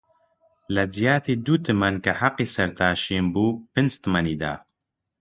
لە جیاتی دوو تمەن -کە حەقی سەرتاشین بووپنج تمەنی دا